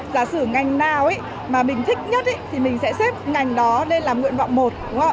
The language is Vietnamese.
giả sử ngành nào mà mình thích nhất thì mình sẽ xếp ngành đó lên làm nguyện vọng một